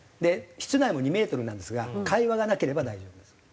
室内も２メートルなんですが会話がなければ大丈夫なんです。